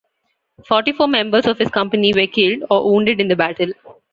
Forty-four members of his company were killed or wounded in the battle.